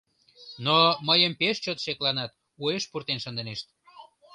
Но мыйым пеш чот шекланат, уэш пуртен шындынешт.